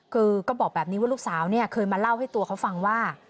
คือก็บอกแบบนี้ว่าลูกสาวเนี่ยเคยมาเล่าให้ตัวเขาฟังว่า